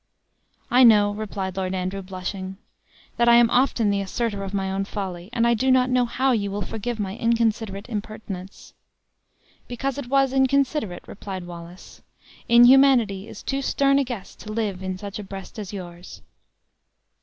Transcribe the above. "I know," replied Lord Andrew, blushing, "that I am often the asserter of my own folly; and I do not know how you will forgive my inconsiderate impertinence." "Because it was inconsiderate," replied Wallace. "Inhumanity is too stern a guest to live in such a breast as yours."